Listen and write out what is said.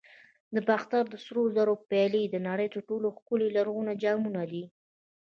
د باختر د سرو زرو پیالې د نړۍ تر ټولو ښکلي لرغوني جامونه دي